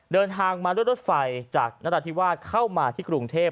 เดินทางมาด้วยรถไฟจากนราธิวาสเข้ามาที่กรุงเทพ